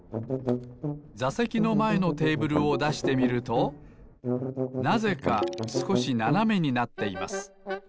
ざせきのまえのテーブルをだしてみるとなぜかすこしななめになっています。